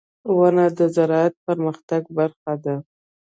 • ونه د زراعتي پرمختګ برخه ده.